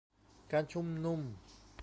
การชุมนุม